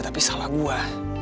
tapi salah gue